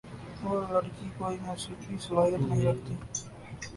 وہ لڑکی کوئی موسیقی صلاحیت نہیں رکھتی تھی۔